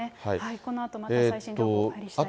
このあとまた最新の情報が入りしだい。